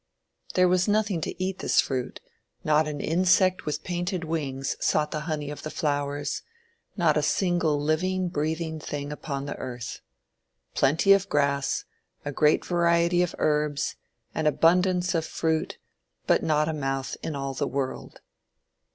There was nothing to eat this fruit; not an insect with painted wings sought the honey of the flowers; not a single living, breathing thing upon the earth. Plenty of grass, a great variety of herbs, an abundance of fruit, but not a mouth in all the world.